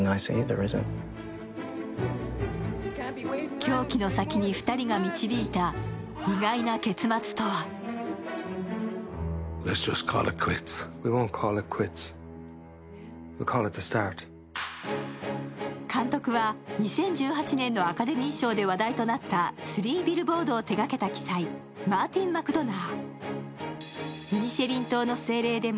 狂気の先に２人が導いた意外な結末とは監督は２０１８年のアカデミー賞で話題となった「スリー・ビルボード」を手がけた鬼才マーティン・マクドナー。